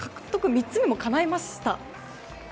３つ目もかなえました。